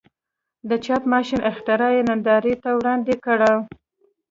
د چاپ ماشین اختراع یې نندارې ته وړاندې کړه.